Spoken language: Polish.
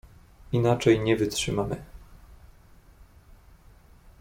"Inaczej nie wytrzymamy“."